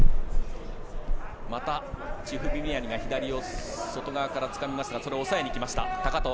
またチフビミアニが左を外側からつかみましたがそれを抑えた高藤。